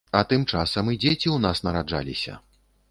А тым часам і дзеці ў нас нараджаліся.